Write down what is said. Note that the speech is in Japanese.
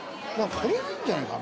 これがいいんじゃないか？